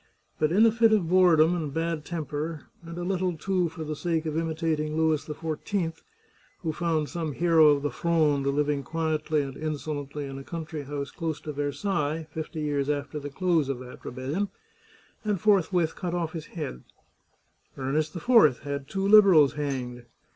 But in a fit of boredom and bad temper, and a little, too, for the sake of imitating Louis XIV, who found some hero of the Fronde living quietly and insolently in a country house close to Versailles fifty years after the close of that rebellion, and forthwith cut oflf his head, Ernest IV had two Liberals hanged.